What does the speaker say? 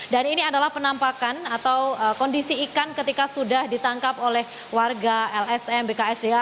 dan ini adalah penampakan atau kondisi ikan ketika sudah ditangkap oleh warga lsm bksda